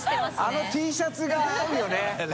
あのＴシャツが合うよね。